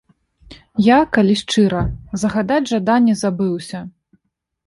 Я, калі шчыра, загадаць жаданне забыўся.